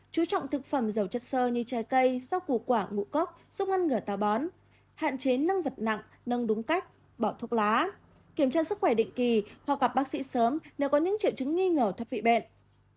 chú trọng thực phẩm dầu chất sơ như chai cây rau củ quả ngũ cốc giúp ngăn ngừa tà bón hạn chế nâng vật nặng nâng đúng cách bỏ thuốc lá kiểm tra sức khỏe định kỳ hoặc gặp bác sĩ sớm nếu có những triệu chứng nghi ngờ thất vị bệnh